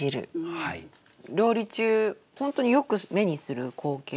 料理中本当によく目にする光景。